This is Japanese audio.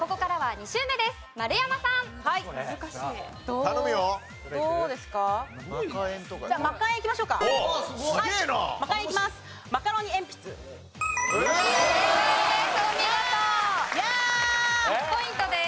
１０ポイントです。